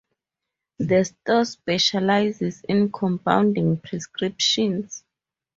The store specializes in compounding prescriptions.